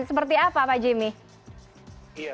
seperti apa pak jimmy